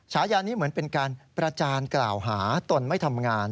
ฉายานี้เหมือนเป็นการประจานกล่าวหาตนไม่ทำงาน